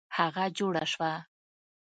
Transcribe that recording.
هغه جوړه سوه.